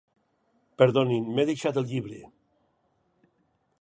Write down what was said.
Perdonin, m'he deixat el llibre.